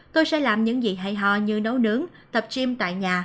tôi sẽ làm những gì hay ho như nấu nướng tập chim tại nhà